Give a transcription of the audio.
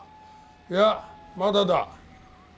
いやまだだ。